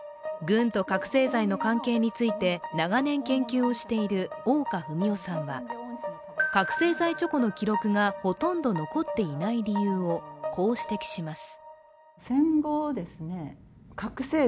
軍と覚醒剤の関係について長年研究をしている相可文代さんは覚醒剤チョコの記録がほとんど残っていない理由をこう指摘します。